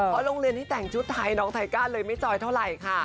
เพราะโรงเรียนที่แต่งชุดไทยน้องไทก้าเลยไม่จอยเท่าไหร่ค่ะ